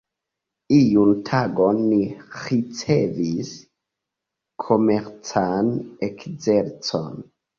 Iun tagon ni ricevis komercan ekzercon.